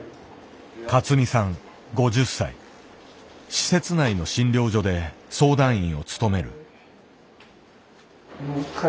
施設内の診療所で相談員を務める。